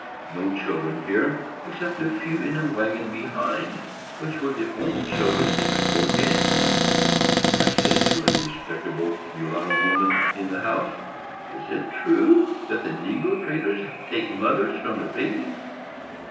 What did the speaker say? No children here, except a few in a wagon behind, which were the only children in the four gangs. I said to a respectable mulatto woman in the house, "Is it true that the negro traders take mothers from their babies?"